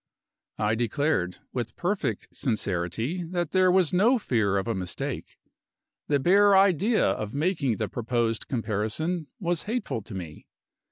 I declared, with perfect sincerity, that there was no fear of a mistake. The bare idea of making the proposed comparison was hateful to me.